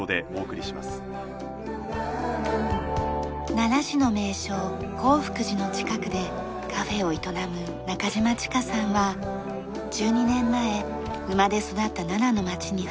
奈良市の名勝興福寺の近くでカフェを営む中島智加さんは１２年前生まれ育った奈良の街にふさわしい商品を考えました。